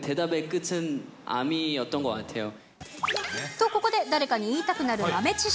と、ここで誰かに言いたくなる豆知識。